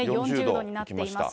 ４０度になっています。